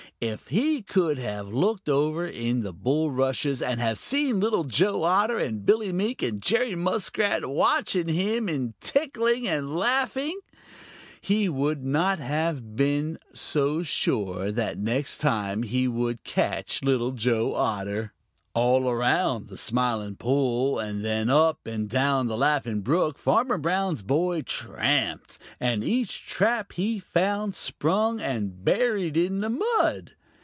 If he could have looked over in the bulrushes and have seen Little Joe Otter and Billy Mink and Jerry Muskrat watching him and tickling and laughing, he would not have been so sure that next time he would catch Little Joe Otter. All around the Smiling Pool and then up and down the Laughing Brook Farmer Brown's boy tramped, and each trap he found sprung and buried in the mud.